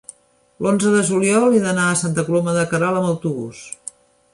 l'onze de juliol he d'anar a Santa Coloma de Queralt amb autobús.